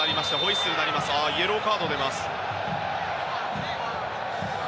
イエローカードが出ます。